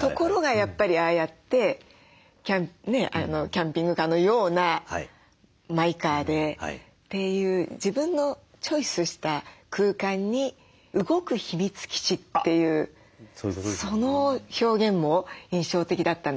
ところがやっぱりああやってキャンピングカーのようなマイカーでっていう自分のチョイスした空間に「動く秘密基地」っていうその表現も印象的だったんですけどヒロシさんはいかがですか？